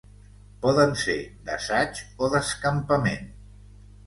Poden ser d'assaig o d'escampament.